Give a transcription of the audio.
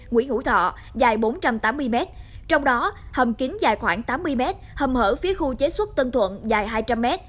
nguyễn hữu thọ dài bốn trăm tám mươi m trong đó hầm kính dài khoảng tám mươi m hầm hở phía khu chế xuất tân thuận dài hai trăm linh m